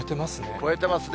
超えてますね。